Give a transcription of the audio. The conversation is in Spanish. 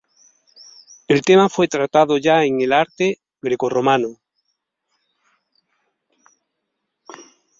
El tema fue tratado ya en el arte grecorromano.